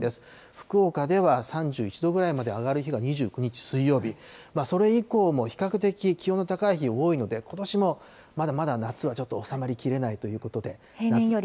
福岡では３１度ぐらいまで上がる日が２９日水曜日、それ以降も比較的気温の高い日が多いので、ことしもまだまだ夏はちょっと収まりきれないということで。